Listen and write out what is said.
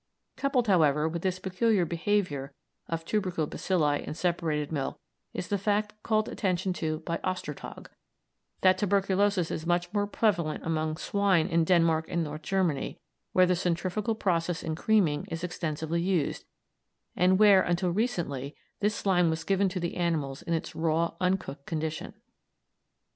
Coupled, however, with this peculiar behaviour of tubercle bacilli in separated milk is the fact called attention to by Ostertag, that tuberculosis is much more prevalent among swine in Denmark and North Germany, where the centrifugal process in creaming is extensively used, and where, until recently, this slime was given to the animals in its raw, uncooked condition.